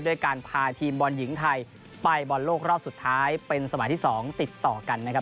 ด้วยการพาทีมบอลหญิงไทยไปบอลโลกรอบสุดท้ายเป็นสมัยที่๒ติดต่อกันนะครับ